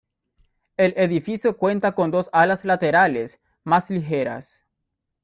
El edificio cuenta con dos alas laterales, más ligeras.